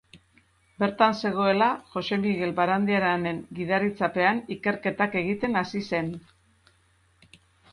Bertan zegoela Jose Migel Barandiaranen gidaritzapean ikerketak egiten hasi zen.